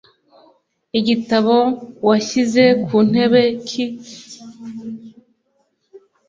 Igitabo washyize ku ntebe ki?